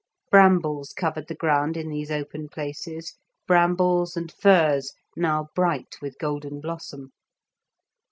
Brambles covered the ground in these open places, brambles and furze now bright with golden blossom.